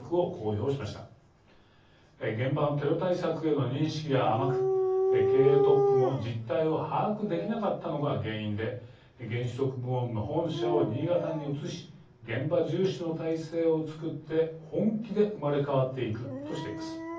現場のテロ対策への認識が甘く経営トップも実態を把握できなかったのが原因で原子力部門の本社を新潟に移し現場重視の体制をつくって本気で生まれ変わっていくとしています。